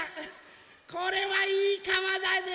これはいいかわだね。